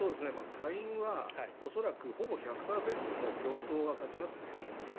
下院は恐らくほぼ１００％共和党が勝ちますね。